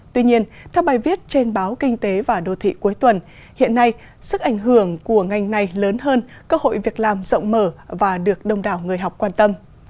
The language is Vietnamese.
tuy nhiên theo bài viết trên báo kinh tế và đô thị cuối tuần hiện nay sức ảnh hưởng của ngành này lớn hơn cơ hội việc làm rộng mở và được đông đảo người học quan tâm